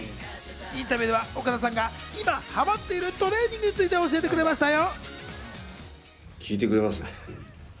インタビューでは岡田さんが今、ハマってるトレーニングについて教えてくれましたよ。